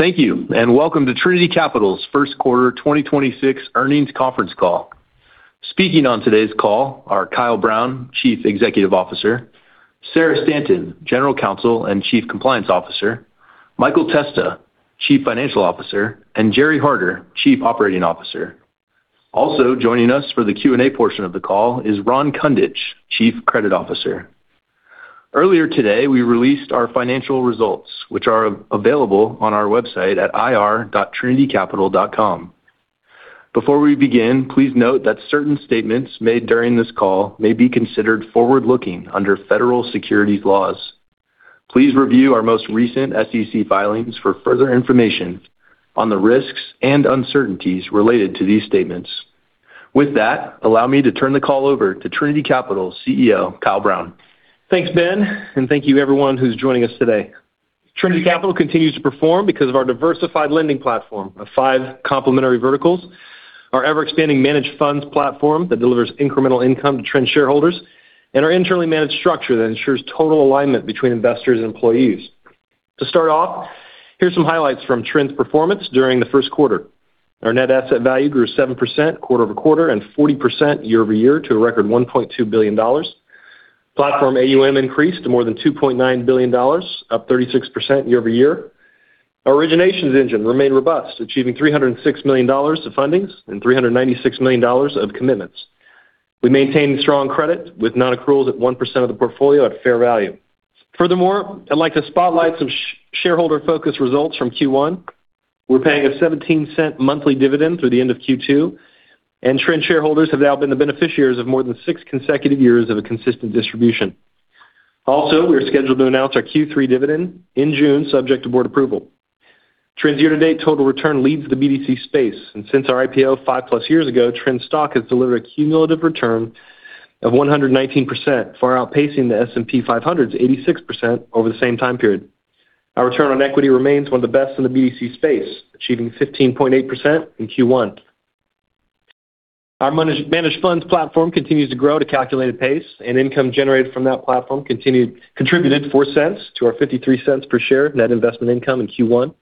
Thank you. Welcome to Trinity Capital's first quarter 2026 earnings conference call. Speaking on today's call are Kyle Brown, Chief Executive Officer; Sarah Stanton, General Counsel and Chief Compliance Officer; Michael Testa, Chief Financial Officer; and Gerald Harder, Chief Operating Officer. Also joining us for the Q&A portion of the call is Ron Kundich, Chief Credit Officer. Earlier today, we released our financial results, which are available on our website at ir.trinitycapital.com. Before we begin, please note that certain statements made during this call may be considered forward-looking under federal securities laws. Please review our most recent SEC filings for further information on the risks and uncertainties related to these statements. With that, allow me to turn the call over to Trinity Capital CEO, Kyle Brown. Thanks, Ben, and thank you everyone who's joining us today. Trinity Capital continues to perform because of our diversified lending platform of five complementary verticals, our ever-expanding managed funds platform that delivers incremental income to Trin shareholders, and our internally managed structure that ensures total alignment between investors and employees. To start off, here's some highlights from Trin's performance during the first quarter. Our net asset value grew 7% quarter-over-quarter and 40% year-over-year to a record $1.2 billion. Platform AUM increased to more than $2.9 billion, up 36% year-over-year. Our originations engine remained robust, achieving $306 million of fundings and $396 million of commitments. We maintained strong credit with non-accruals at 1% of the portfolio at fair value. Furthermore, I'd like to spotlight some shareholder focus results from Q1. We're paying a $0.17 monthly dividend through the end of Q2, and Trin shareholders have now been the beneficiaries of more than six consecutive years of a consistent distribution. Also, we are scheduled to announce our Q3 dividend in June, subject to board approval. Trin's year-to-date total return leads the BDC space, and since our IPO five plus years ago, Trin stock has delivered a cumulative return of 119%, far outpacing the S&P 500's 86% over the same time period. Our return on equity remains one of the best in the BDC space, achieving 15.8% in Q1. Our managed funds platform continues to grow at a calculated pace, and income generated from that platform contributed $0.04 to our $0.53 per share net investment income in Q1.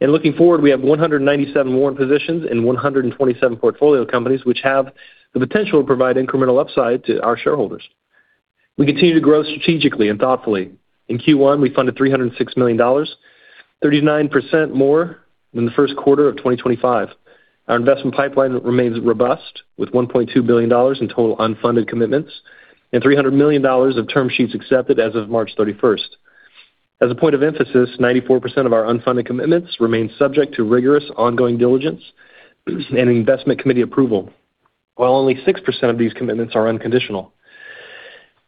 Looking forward, we have 197 warrant positions and 127 portfolio companies which have the potential to provide incremental upside to our shareholders. We continue to grow strategically and thoughtfully. In Q1, we funded $306 million, 39% more than the first quarter of 2025. Our investment pipeline remains robust, with $1.2 billion in total unfunded commitments and $300 million of term sheets accepted as of March 31st. As a point of emphasis, 94% of our unfunded commitments remain subject to rigorous ongoing diligence and investment committee approval, while only 6% of these commitments are unconditional.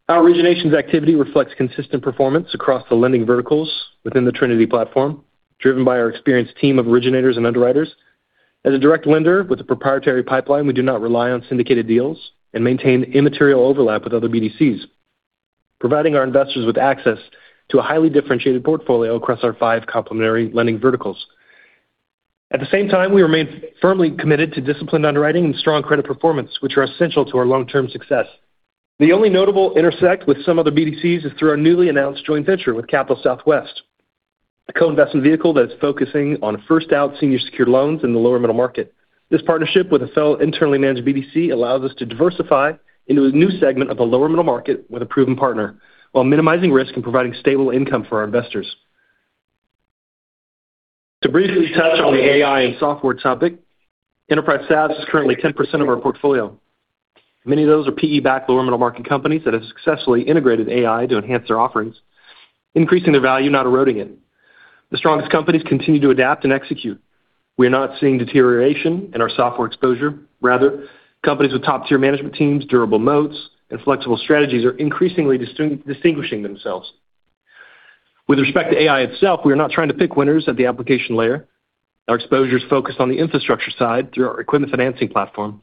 Our originations activity reflects consistent performance across the lending verticals within the Trinity platform, driven by our experienced team of originators and underwriters. As a direct lender with a proprietary pipeline, we do not rely on syndicated deals and maintain immaterial overlap with other BDCs, providing our investors with access to a highly differentiated portfolio across our five complementary lending verticals. At the same time, we remain firmly committed to disciplined underwriting and strong credit performance, which are essential to our long-term success. The only notable intersect with some other BDCs is through our newly announced joint venture with Capital Southwest, a co-investment vehicle that's focusing on first out senior secured loans in the lower middle market. This partnership with a fellow internally managed BDC allows us to diversify into a new segment of the lower middle market with a proven partner while minimizing risk and providing stable income for our investors. To briefly touch on the AI and software topic, enterprise SaaS is currently 10% of our portfolio. Many of those are PE-backed lower middle market companies that have successfully integrated AI to enhance their offerings, increasing their value, not eroding it. The strongest companies continue to adapt and execute. We are not seeing deterioration in our software exposure. Rather, companies with top-tier management teams, durable moats, and flexible strategies are increasingly distinguishing themselves. With respect to AI itself, we are not trying to pick winners at the application layer. Our exposure is focused on the infrastructure side through our equipment financing platform,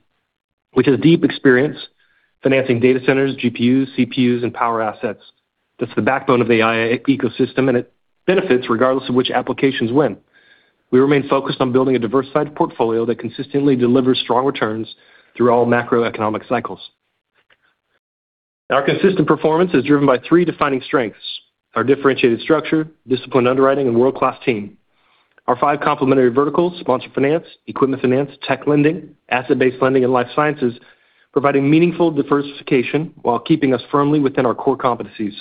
which has a deep experience financing data centers, GPUs, CPUs, and power assets. That's the backbone of the AI ecosystem, and it benefits regardless of which applications win. We remain focused on building a diversified portfolio that consistently delivers strong returns through all macroeconomic cycles. Our consistent performance is driven by three defining strengths: our differentiated structure, disciplined underwriting, and world-class team. Our five complementary verticals, sponsor finance, equipment finance, tech lending, asset-based lending, and life sciences, providing meaningful diversification while keeping us firmly within our core competencies.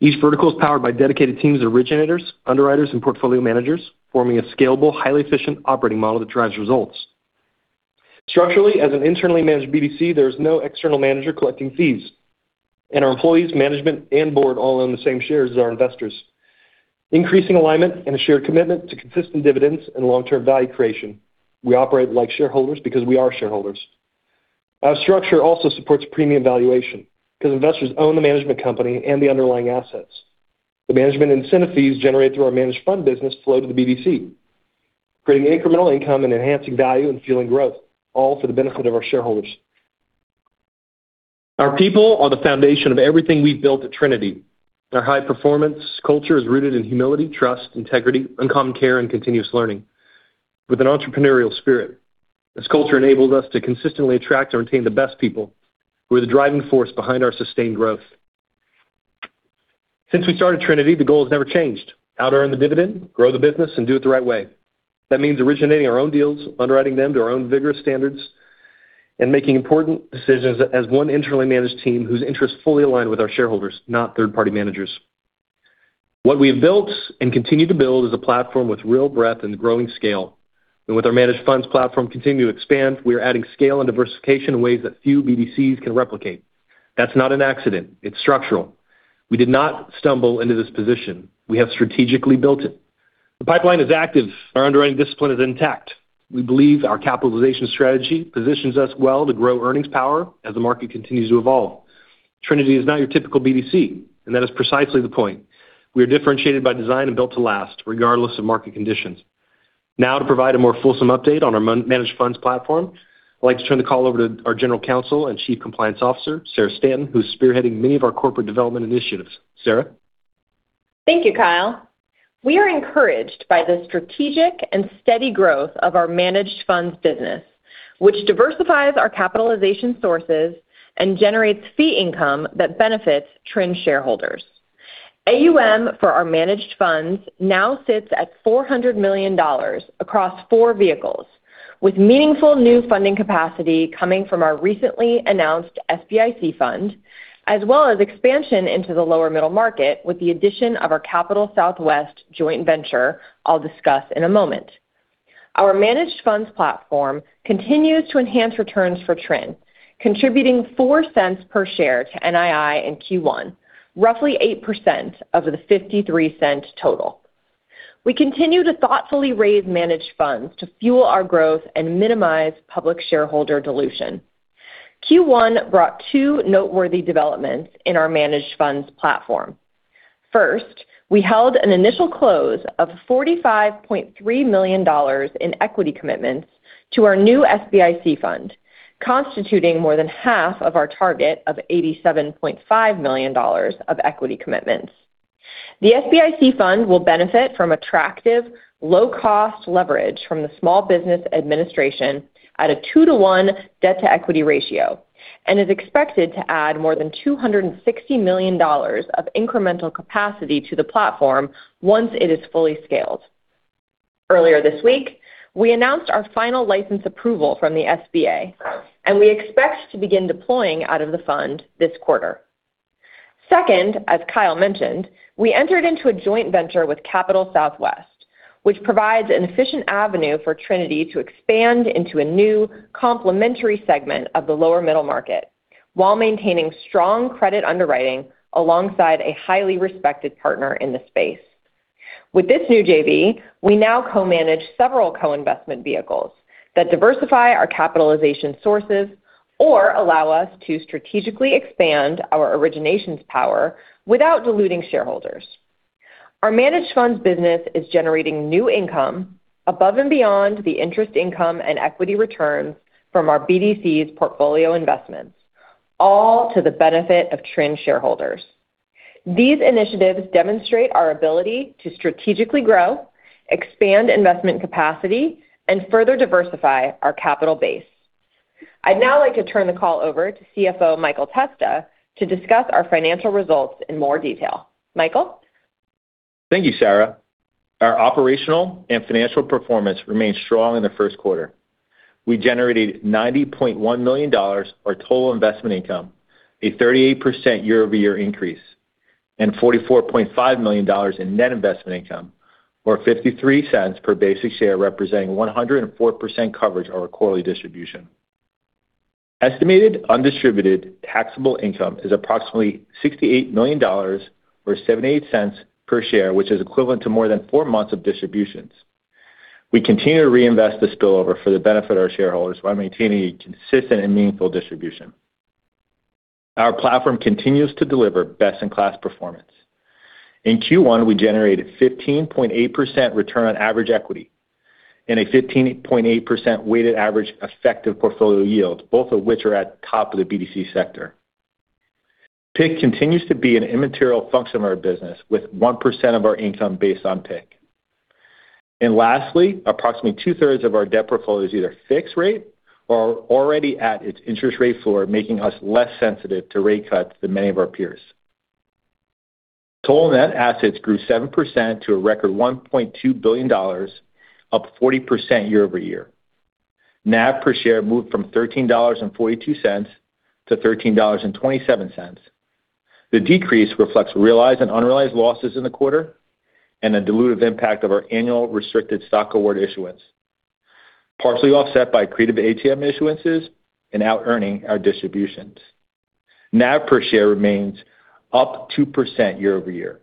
Each vertical is powered by dedicated teams of originators, underwriters, and portfolio managers, forming a scalable, highly efficient operating model that drives results. Structurally, as an internally managed BDC, there is no external manager collecting fees, and our employees, management, and board all own the same shares as our investors, increasing alignment and a shared commitment to consistent dividends and long-term value creation. We operate like shareholders because we are shareholders. Our structure also supports premium valuation because investors own the management company and the underlying assets. The management incentive fees generated through our managed fund business flow to the BDC, creating incremental income and enhancing value and fueling growth, all for the benefit of our shareholders. Our people are the foundation of everything we've built at Trinity. Our high-performance culture is rooted in humility, trust, integrity, uncommon care, and continuous learning with an entrepreneurial spirit. This culture enables us to consistently attract and retain the best people who are the driving force behind our sustained growth. Since we started Trinity, the goal has never changed: out earn the dividend, grow the business, and do it the right way. That means originating our own deals, underwriting them to our own vigorous standards, and making important decisions as one internally managed team whose interests fully align with our shareholders, not third-party managers. What we have built and continue to build is a platform with real breadth and growing scale. With our managed funds platform continuing to expand, we are adding scale and diversification in ways that few BDCs can replicate. That's not an accident, it's structural. We did not stumble into this position. We have strategically built it. The pipeline is active. Our underwriting discipline is intact. We believe our capitalization strategy positions us well to grow earnings power as the market continues to evolve. Trinity is not your typical BDC, and that is precisely the point. We are differentiated by design and built to last, regardless of market conditions. Now to provide a more fulsome update on our managed funds platform, I'd like to turn the call over to our General Counsel and Chief Compliance Officer, Sarah Stanton, who's spearheading many of our corporate development initiatives. Sarah. Thank you, Kyle. We are encouraged by the strategic and steady growth of our managed funds business, which diversifies our capitalization sources and generates fee income that benefits Trin shareholders. AUM for our managed funds now sits at $400 million across four vehicles, with meaningful new funding capacity coming from our recently announced SBIC fund, as well as expansion into the lower middle market with the addition of our Capital Southwest joint venture I'll discuss in a moment. Our managed funds platform continues to enhance returns for Trin, contributing $0.04 per share to NII in Q1, roughly 8% of the $0.53 total. We continue to thoughtfully raise managed funds to fuel our growth and minimize public shareholder dilution. Q1 brought two noteworthy developments in our managed funds platform. First, we held an initial close of $45.3 million in equity commitments to our new SBIC fund, constituting more than half of our target of $87.5 million of equity commitments. The SBIC fund will benefit from attractive low-cost leverage from the Small Business Administration at a 2:1 debt-to-equity ratio, and is expected to add more than $260 million of incremental capacity to the platform once it is fully scaled. Earlier this week, we announced our final license approval from the SBA, and we expect to begin deploying out of the fund this quarter. Second, as Kyle mentioned, we entered into a joint venture with Capital Southwest, which provides an efficient avenue for Trinity to expand into a new complementary segment of the lower middle market while maintaining strong credit underwriting alongside a highly respected partner in the space. With this new JV, we now co-manage several co-investment vehicles that diversify our capitalization sources or allow us to strategically expand our originations power without diluting shareholders. Our managed funds business is generating new income above and beyond the interest income and equity returns from our BDC's portfolio investments, all to the benefit of Trin shareholders. These initiatives demonstrate our ability to strategically grow, expand investment capacity, and further diversify our capital base. I'd now like to turn the call over to CFO Michael Testa to discuss our financial results in more detail. Michael? Thank you, Sarah. Our operational and financial performance remained strong in the first quarter. We generated $90.1 million, our total investment income, a 38% year-over-year increase, and $44.5 million in net investment income, or $0.53 per basic share, representing 104% coverage of our quarterly distribution. Estimated undistributed taxable income is approximately $68 million, or $0.78 per share, which is equivalent to more than four months of distributions. We continue to reinvest this spillover for the benefit of our shareholders while maintaining a consistent and meaningful distribution. Our platform continues to deliver best-in-class performance. In Q1, we generated 15.8% return on average equity and a 15.8% weighted average effective portfolio yield, both of which are at the top of the BDC sector. PIK continues to be an immaterial function of our business, with 1% of our income based on PIK. Lastly, approximately 2/3 of our debt portfolio is either fixed rate or already at its interest rate floor, making us less sensitive to rate cuts than many of our peers. Total net assets grew 7% to a record $1.2 billion, up 40% year-over-year. NAV per share moved from $13.42 to $13.27. The decrease reflects realized and unrealized losses in the quarter and a dilutive impact of our annual restricted stock award issuance, partially offset by creative ATM issuances and outearning our distributions. NAV per share remains up 2% year-over-year.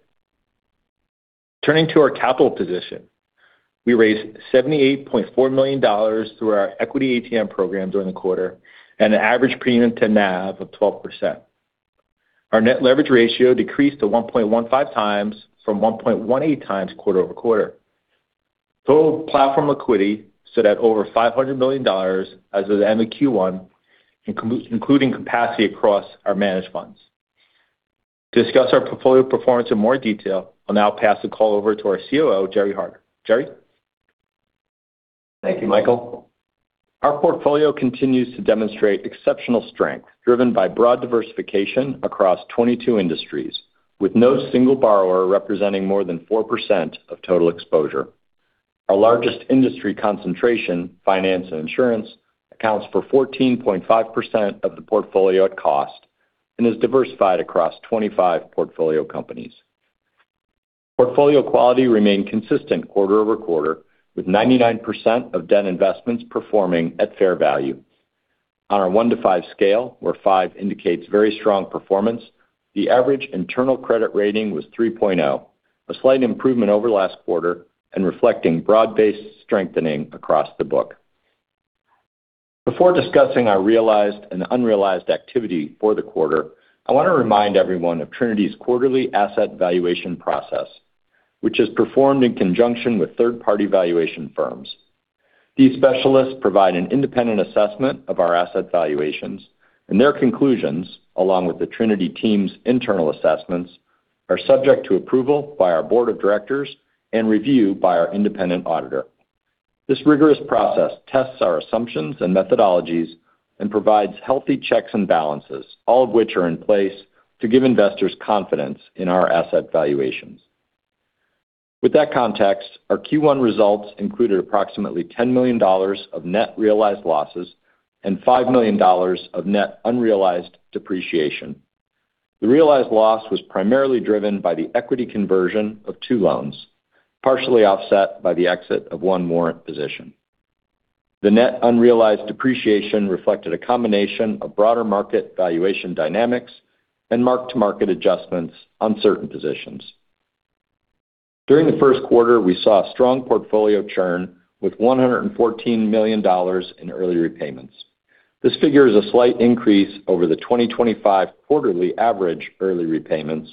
Turning to our capital position, we raised $78.4 million through our equity ATM program during the quarter at an average premium to NAV of 12%. Our net leverage ratio decreased to 1.15x from 1.18x quarter-over-quarter. Total platform liquidity stood at over $500 million as of the end of Q1, including capacity across our managed funds. To discuss our portfolio performance in more detail, I'll now pass the call over to our COO, Gerald Harder. Gerald? Thank you, Michael. Our portfolio continues to demonstrate exceptional strength driven by broad diversification across 22 industries, with no single borrower representing more than 4% of total exposure. Our largest industry concentration, finance and insurance, accounts for 14.5% of the portfolio at cost and is diversified across 25 portfolio companies. Portfolio quality remained consistent quarter-over-quarter, with 99% of debt investments performing at fair value. On our one to five scale, where five indicates very strong performance, the average internal credit rating was 3.0, a slight improvement over last quarter and reflecting broad-based strengthening across the book. Before discussing our realized and unrealized activity for the quarter, I want to remind everyone of Trinity's quarterly asset valuation process, which is performed in conjunction with third-party valuation firms. These specialists provide an independent assessment of our asset valuations, and their conclusions, along with the Trinity team's internal assessments, are subject to approval by our board of directors and review by our independent auditor. This rigorous process tests our assumptions and methodologies and provides healthy checks and balances, all of which are in place to give investors confidence in our asset valuations. With that context, our Q1 results included approximately $10 million of net realized losses and $5 million of net unrealized depreciation. The realized loss was primarily driven by the equity conversion of two loans, partially offset by the exit of one warrant position. The net unrealized depreciation reflected a combination of broader market valuation dynamics and mark-to-market adjustments on certain positions. During the first quarter, we saw a strong portfolio churn with $114 million in early repayments. This figure is a slight increase over the 2025 quarterly average early repayments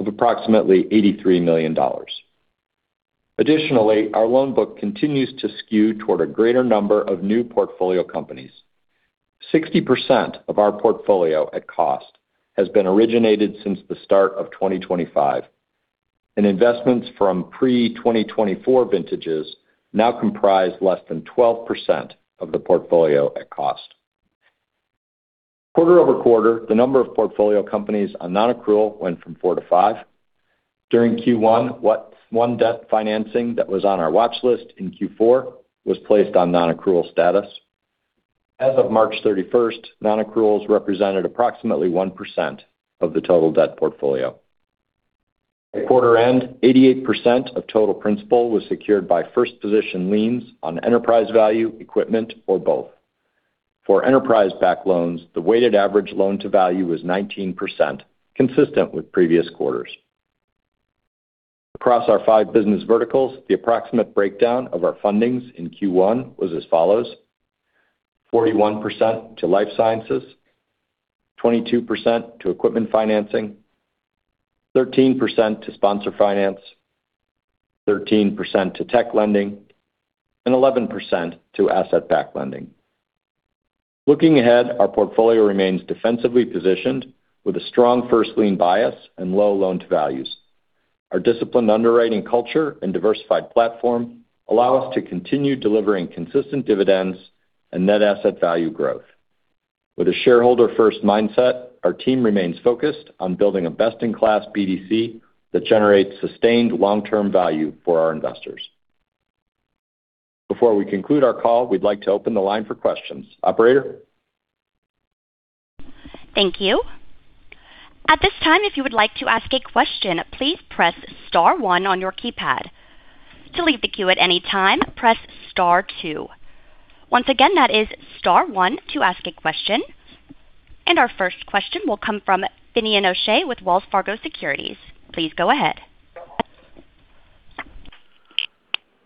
of approximately $83 million. Additionally, our loan book continues to skew toward a greater number of new portfolio companies. 60% of our portfolio at cost has been originated since the start of 2025, and investments from pre-2024 vintages now comprise less than 12% of the portfolio at cost. Quarter-over-quarter, the number of portfolio companies on nonaccrual went from four to five. During Q1, one debt financing that was on our watch list in Q4 was placed on nonaccrual status. As of March 31st, nonaccruals represented approximately 1% of the total debt portfolio. At quarter end, 88% of total principal was secured by first position liens on enterprise value, equipment, or both. For enterprise-backed loans, the weighted average loan to value was 19%, consistent with previous quarters. Across our five business verticals, the approximate breakdown of our fundings in Q1 was as follows: 41% to life sciences, 22% to equipment financing, 13% to sponsor finance, 13% to tech lending, and 11% to asset-backed lending. Looking ahead, our portfolio remains defensively-positioned with a strong first lien bias and low loan to values. Our disciplined underwriting culture and diversified platform allow us to continue delivering consistent dividends and net asset value growth. With a shareholder-first mindset, our team remains focused on building a best-in-class BDC that generates sustained long-term value for our investors. Before we conclude our call, we'd like to open the line for questions. Operator? Thank you. At this time, if you would like to ask a question, please press star one on your keypad. To leave the queue at any time, press star two. Once again, that is star one to ask a question. Our first question will come from Finian O'Shea with Wells Fargo Securities. Please go ahead.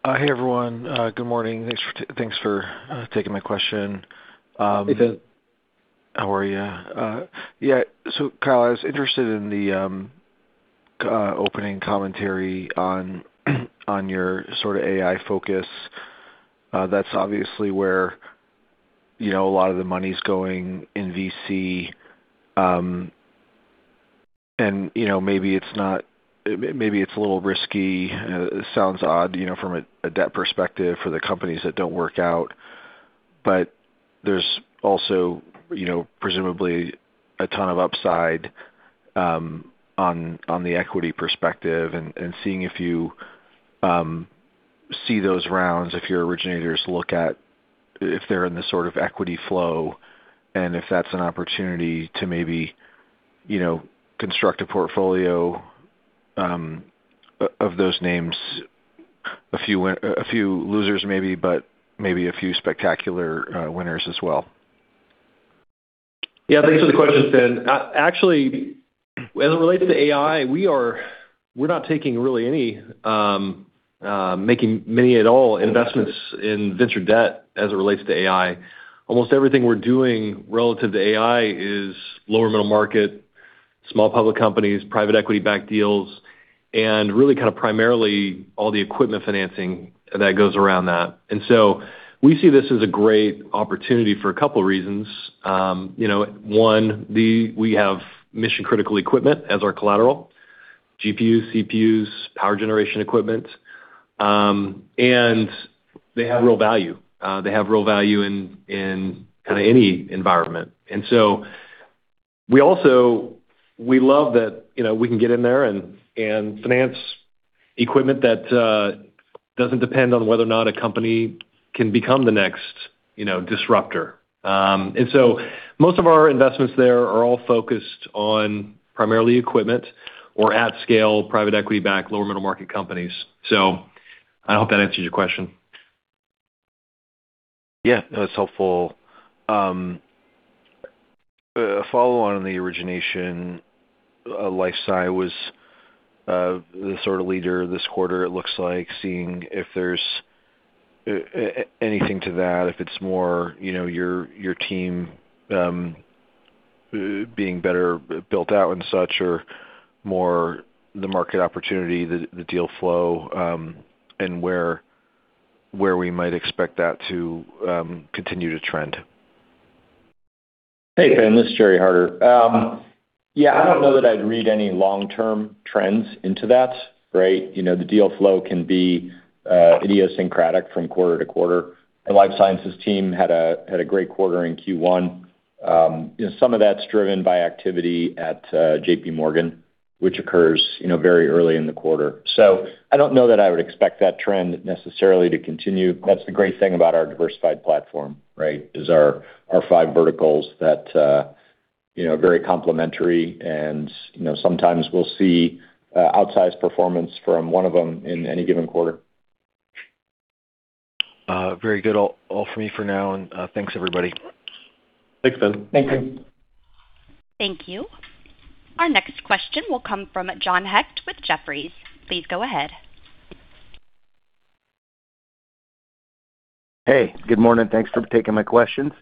Hey, everyone. Good morning. Thanks for taking my question. Hey, Fin. How are you? Yeah. Kyle, I was interested in the opening commentary on your sort of AI focus. That's obviously where, you know, a lot of the money's going in VC. You know, maybe it's not, maybe it's a little risky. It sounds odd, you know, from a debt perspective for the companies that don't work out. There's also, you know, presumably a ton of upside on the equity perspective and seeing if you see those rounds, if your originators look at if they're in the sort of equity flow, and if that's an opportunity to maybe, you know, construct a portfolio of those names, a few losers maybe, but maybe a few spectacular winners as well. Yeah. Thanks for the question, Fin. Actually, as it relates to AI, we're not taking really any making many at all investments in venture debt as it relates to AI. Almost everything we're doing relative to AI is lower middle market, small public companies, private equity-backed deals, and really kind of primarily all the equipment financing that goes around that. We see this as a great opportunity for a couple reasons. You know, one, we have mission-critical equipment as our collateral. GPUs, CPUs, power generation equipment. They have real value. They have real value in kind of any environment. We love that, you know, we can get in there and finance equipment that doesn't depend on whether or not a company can become the next, you know, disruptor. Most of our investments there are all focused on primarily equipment or at scale private equity backed lower middle market companies. I hope that answers your question. Yeah. That's helpful. A follow on the origination, life sciences was the sort of leader this quarter it looks like, seeing if there's anything to that, if it's more, you know, your team being better built out and such or more the market opportunity, the deal flow, and where we might expect that to continue to trend? Hey, Fin, this is Gerald Harder. Yeah, I don't know that I'd read any long-term trends into that, right? You know, the deal flow can be idiosyncratic from quarter-to-quarter. The life sciences team had a great quarter in Q1. You know, some of that's driven by activity at JPMorgan, which occurs, you know, very early in the quarter. I don't know that I would expect that trend necessarily to continue. That's the great thing about our diversified platform, right? Is our five verticals that, you know, are very complementary and, you know, sometimes we'll see outsized performance from one of them in any given quarter. Very good. All for me for now. Thanks everybody. Thanks, Ben. Thanks. Thank you. Our next question will come from John Hecht with Jefferies. Please go ahead. Hey, good morning. Thanks for taking my questions.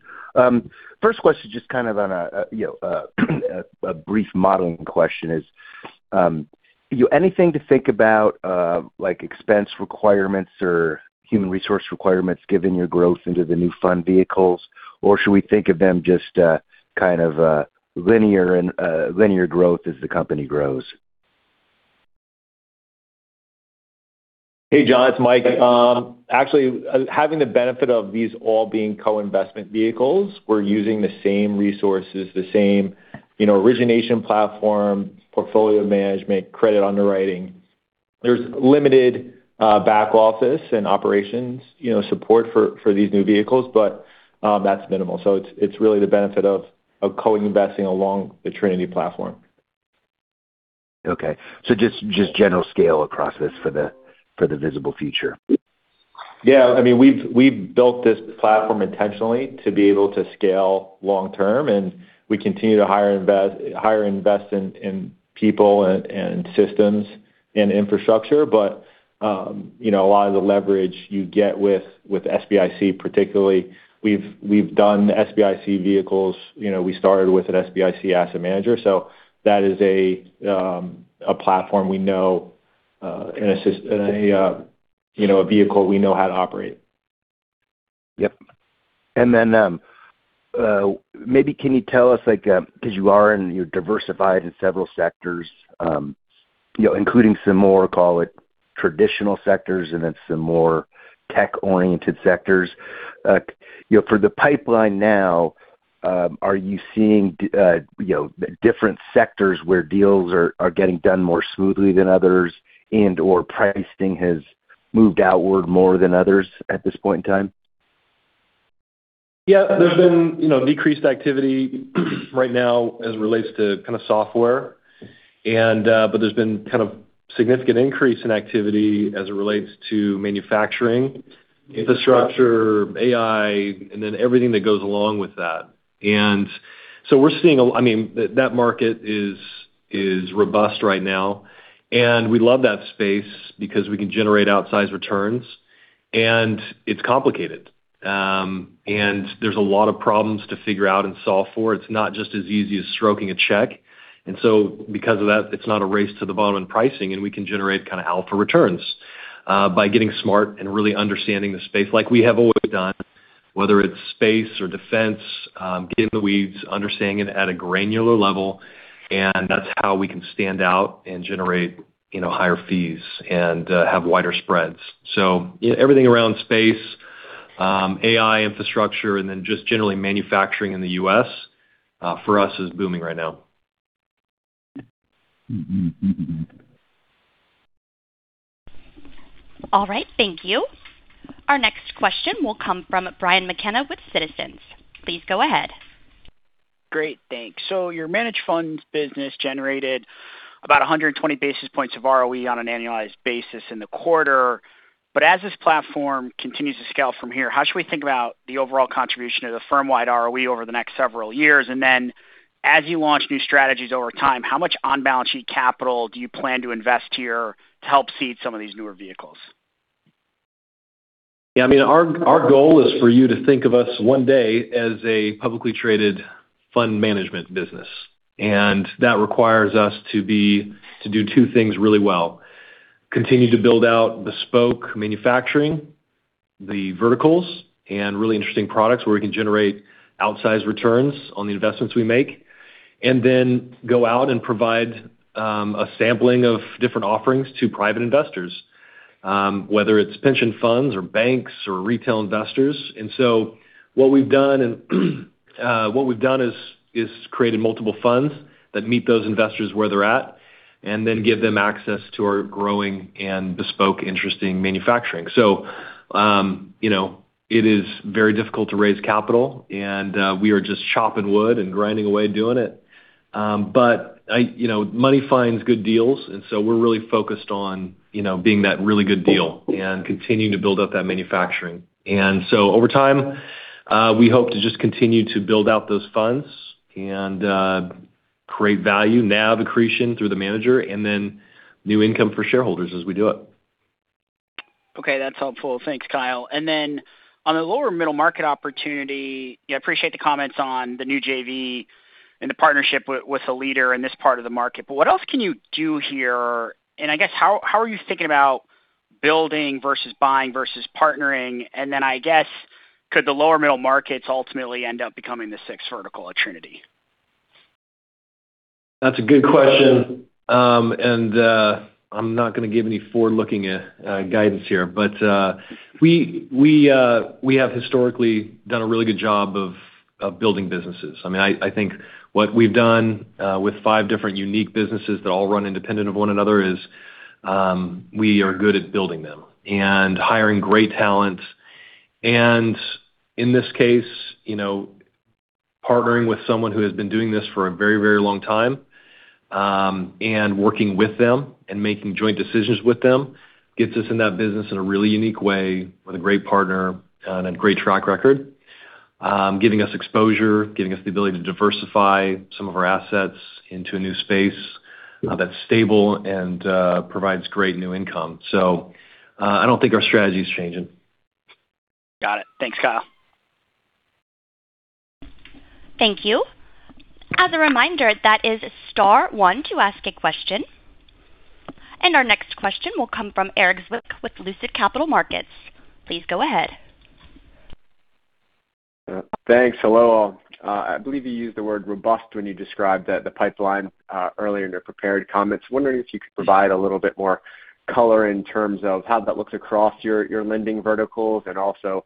First question, just kind of on a brief modeling question is, anything to think about, like expense requirements or human resource requirements given your growth into the new fund vehicles? Or should we think of them just, kind of, linear and linear growth as the company grows? Hey, John, it's Mike. Actually, having the benefit of these all being co-investment vehicles, we're using the same resources, the same, you know, origination platform, portfolio management, credit underwriting. There's limited back office and operations, you know, support for these new vehicles, but that's minimal. It's really the benefit of co-investing along the Trinity platform. Okay. just general scale across this for the visible future. Yeah. I mean, we've built this platform intentionally to be able to scale long term. We continue to hire invest in people and systems and infrastructure. You know, a lot of the leverage you get with SBIC particularly, we've done SBIC vehicles. You know, we started with an SBIC asset manager. That is a platform we know and a, you know, a vehicle we know how to operate. Yep. Maybe can you tell us, like, 'cause you are and you're diversified in several sectors, you know, including some more, call it traditional sectors and then some more tech-oriented sectors. You know, for the pipeline now, are you seeing different sectors where deals are getting done more smoothly than others and/or pricing has moved outward more than others at this point in time? Yeah. There's been, you know, decreased activity right now as it relates to kinda software and, but there's been kind of significant increase in activity as it relates to manufacturing, infrastructure, AI, and then everything that goes along with that. We're seeing I mean, that market is robust right now, and we love that space because we can generate outsized returns, and it's complicated. There's a lot of problems to figure out and solve for. It's not just as easy as stroking a check. Because of that, it's not a race to the bottom in pricing, and we can generate kind of alpha returns by getting smart and really understanding the space like we have always done, whether it's space or defense, get in the weeds, understanding it at a granular level, and that's how we can stand out and generate, you know, higher fees and have wider spreads. You know, everything around space, AI infrastructure, and then just generally manufacturing in the U.S. for us is booming right now. Mm-hmm. All right. Thank you. Our next question will come from Brian McKenna with Citizens. Please go ahead. Great. Thanks. Your managed funds business generated about 120 basis points of ROE on an annualized basis in the quarter. As this platform continues to scale from here, how should we think about the overall contribution of the firm-wide ROE over the next several years? Then as you launch new strategies over time, how much on-balance sheet capital do you plan to invest here to help seed some of these newer vehicles? Yeah, I mean, our goal is for you to think of us one day as a publicly-traded fund management business. That requires us to do two things really well. Continue to build out bespoke manufacturing verticals and really interesting products where we can generate outsized returns on the investments we make. Then go out and provide a sampling of different offerings to private investors, whether it's pension funds or banks or retail investors. What we've done is created multiple funds that meet those investors where they're at. Then give them access to our growing and bespoke interesting manufacturing. You know, it is very difficult to raise capital. We are just chopping wood and grinding away doing it. You know, money finds good deals, and so we're really focused on, you know, being that really good deal and continuing to build up that manufacturing. Over time, we hope to just continue to build out those funds and create value NAV accretion through the manager and then new income for shareholders as we do it. Okay. That's helpful. Thanks, Kyle. On the lower middle market opportunity, I appreciate the comments on the new JV and the partnership with a leader in this part of the market. What else can you do here? I guess, how are you thinking about building versus buying versus partnering? Then, I guess, could the lower middle markets ultimately end up becoming the sixth vertical at Trinity? That's a good question. I'm not gonna give any forward-looking guidance here. We have historically done a really good job of building businesses. I mean, I think what we've done with five different unique businesses that all run independent of one another is, we are good at building them and hiring great talent. In this case, you know, partnering with someone who has been doing this for a very, very long time, and working with them and making joint decisions with them gets us in that business in a really unique way with a great partner and a great track record, giving us exposure, giving us the ability to diversify some of our assets into a new space that's stable and provides great new income. I don't think our strategy is changing. Got it. Thanks, Kyle. Thank you. As a reminder, that is star one to ask a question. Our next question will come from Erik Zwick with Lucid Capital Markets. Please go ahead. Thanks. Hello. I believe you used the word robust when you described the pipeline earlier in your prepared comments. Wondering if you could provide a little bit more color in terms of how that looks across your lending verticals and also,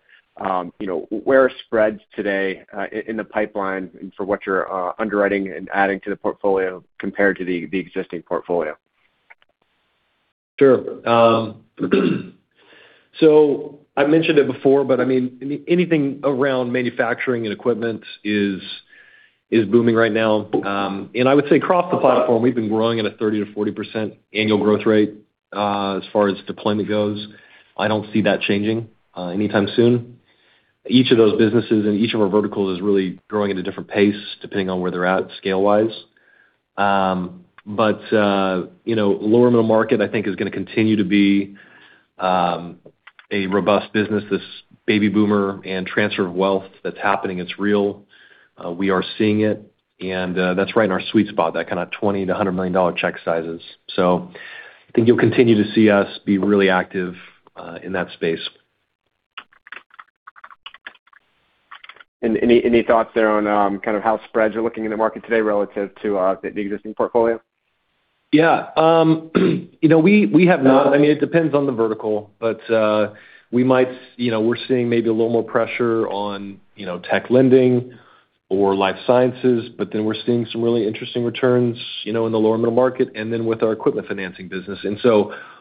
you know, where spreads today in the pipeline for what you're underwriting and adding to the portfolio compared to the existing portfolio? Sure. I mentioned it before, but, I mean, anything around manufacturing and equipment is booming right now. I would say across the platform, we've been growing at a 30%-40% annual growth rate as far as deployment goes. I don't see that changing anytime soon. Each of those businesses and each of our verticals is really growing at a different pace depending on where they're at scale-wise. You know, lower middle market, I think is gonna continue to be a robust business. This baby boomer and transfer of wealth that's happening, it's real. We are seeing it, that's right in our sweet spot, that kind of $20 million-$100 million check sizes. I think you'll continue to see us be really active in that space. Any thoughts there on kind of how spreads are looking in the market today relative to the existing portfolio? Yeah. You know, I mean, it depends on the vertical, but we're seeing maybe a little more pressure on, you know, tech lending or life sciences, but then we're seeing some really interesting returns, you know, in the lower middle market and then with our equipment financing business.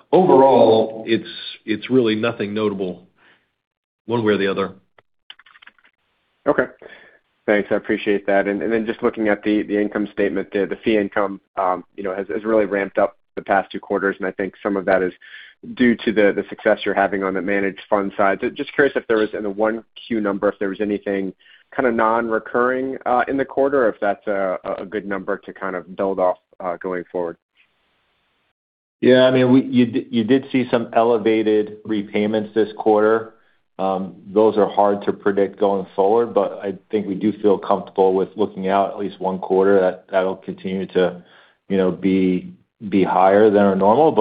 Overall, it's really nothing notable one way or the other. Okay. Thanks. I appreciate that. Then just looking at the income statement, the fee income, you know, has really ramped up the past two quarters, and I think some of that is due to the success you're having on the managed fund side. Just curious if there was, in the 1Q number, if there was anything kind of non-recurring in the quarter, if that's a good number to kind of build off going forward. Yeah. I mean, you did see some elevated repayments this quarter. Those are hard to predict going forward, but I think we do feel comfortable with looking out at least one quarter that that'll continue to, you know, be higher than our normal.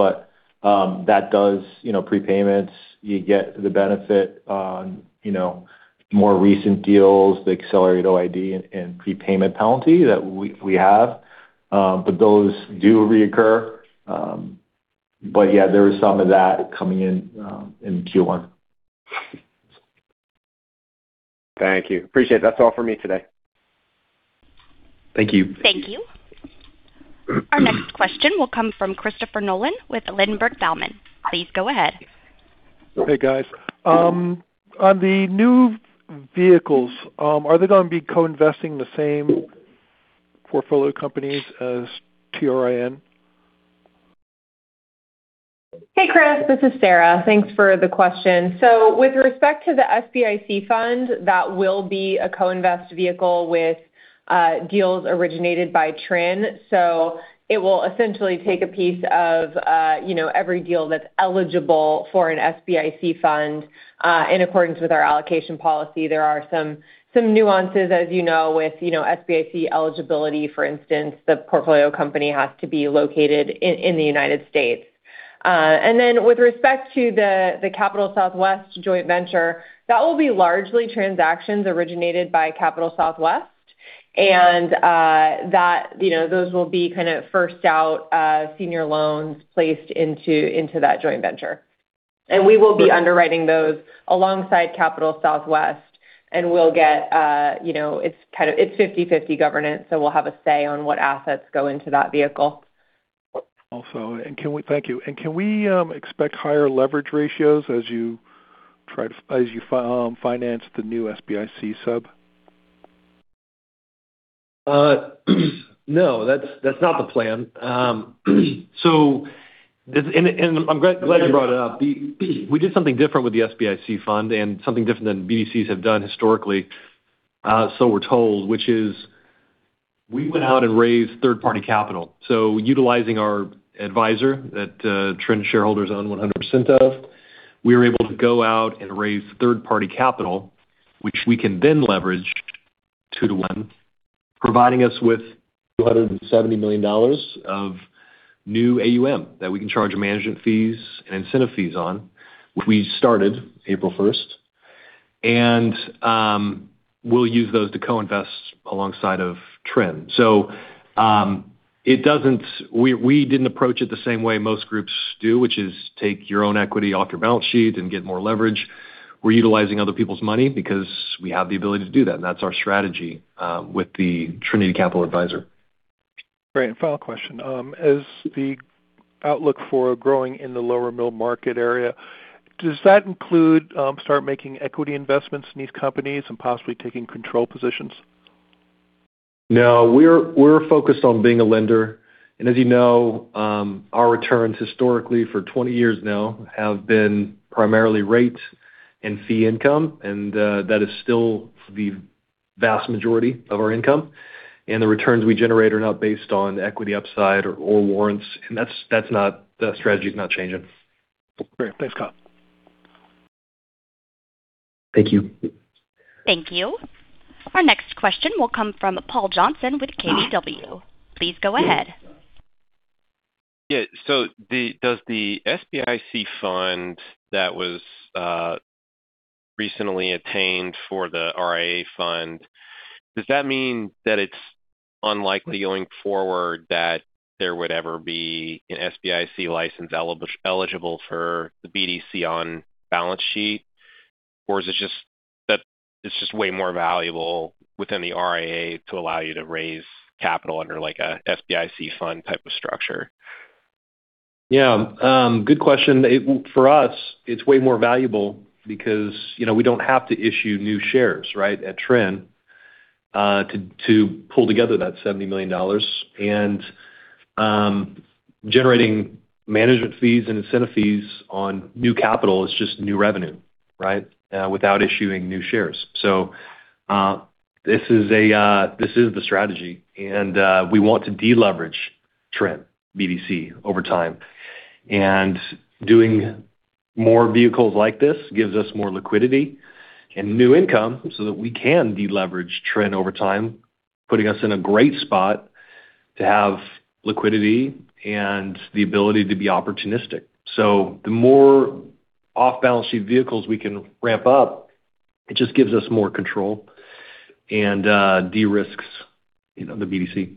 That does, you know, prepayments, you get the benefit on, you know, more recent deals, the accelerated OID and prepayment penalty that we have. Those do reoccur. Yeah, there was some of that coming in Q1. Thank you. Appreciate it. That's all for me today. Thank you. Thank you. Our next question will come from Christopher Nolan with Ladenburg Thalmann. Please go ahead. Hey, guys. On the new vehicles, are they gonna be co-investing the same portfolio companies as Trin? Hey, Chris. This is Sarah. Thanks for the question. With respect to the SBIC fund, that will be a co-invest vehicle with deals originated by Trin. It will essentially take a piece of, you know, every deal that's eligible for an SBIC fund in accordance with our allocation policy. There are some nuances, as you know, with, you know, SBIC eligibility. For instance, the portfolio company has to be located in the United States. With respect to the Capital Southwest joint venture, that will be largely transactions originated by Capital Southwest That, you know, those will be kind of first out, senior loans placed into that joint venture. We will be underwriting those alongside Capital Southwest, and we'll get, you know, it's 50/50 governance, so we'll have a say on what assets go into that vehicle. Thank you. Can we expect higher leverage ratios as you finance the new SBIC sub? No, that's not the plan. And I'm glad you brought it up. We did something different with the SBIC fund and something different than BDCs have done historically, so we're told, which is we went out and raised third-party capital. Utilizing our Adviser that, Trin shareholders own 100% of, we were able to go out and raise third-party capital, which we can then leverage 2:1, providing us with $270 million of new AUM that we can charge management fees and incentive fees on. We started April first, and we'll use those to co-invest alongside of Trin. We didn't approach it the same way most groups do, which is take your own equity off your balance sheet and get more leverage. We're utilizing other people's money because we have the ability to do that, and that's our strategy, with the Trinity Capital Adviser. Great. Final question. As the outlook for growing in the lower middle market area, does that include, start making equity investments in these companies and possibly taking control positions? No. We're focused on being a lender. As you know, our returns historically for 20 years now have been primarily rate and fee income, and that is still the vast majority of our income. The returns we generate are not based on equity upside or warrants. The strategy's not changing. Great. Thanks, Kyle. Thank you. Thank you. Our next question will come from Paul Johnson with KBW. Please go ahead. Does the SBIC fund that was recently attained for the RIA fund, does that mean that it's unlikely going forward that there would ever be an SBIC license eligible for the BDC on balance sheet? Or is it just that it's just way more valuable within the RIA to allow you to raise capital under, like, a SBIC fund type of structure? Yeah. Good question. For us, it's way more valuable because, you know, we don't have to issue new shares, right, at Trin to pull together that $70 million. Generating management fees and incentive fees on new capital is just new revenue, right? Without issuing new shares. This is the strategy. We want to deleverage Trin BDC over time. Doing more vehicles like this gives us more liquidity and new income so that we can deleverage Trin over time, putting us in a great spot to have liquidity and the ability to be opportunistic. The more off-balance sheet vehicles we can ramp up, it just gives us more control and de-risks, you know, the BDC.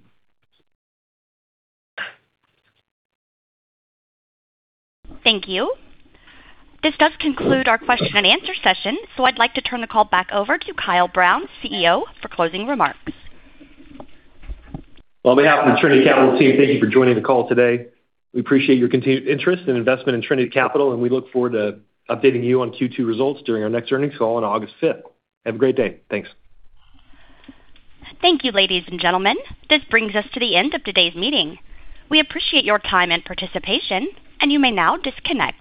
Thank you. This does conclude our question-and-answer session, so I'd like to turn the call back over to Kyle Brown, CEO, for closing remarks. On behalf of the Trinity Capital team, thank you for joining the call today. We appreciate your continued interest and investment in Trinity Capital, and we look forward to updating you on Q2 results during our next earnings call on August fifth. Have a great day. Thanks. Thank you, ladies and gentlemen. This brings us to the end of today's meeting. We appreciate your time and participation. You may now disconnect.